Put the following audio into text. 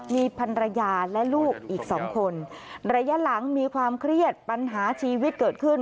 มีพันรยาและลูกอีกสองคนระยะหลังมีความเครียดปัญหาชีวิตเกิดขึ้น